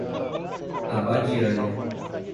Abadiânia